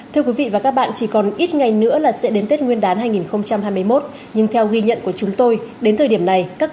thưa quý vị và các bạn chỉ còn ít ngày nữa là sẽ đến tết nguyên đán hai nghìn hai mươi một nhưng theo ghi nhận của chúng tôi đến thời điểm này